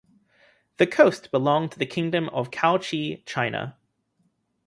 The coast belonged to the Kingdom of Cauchi China.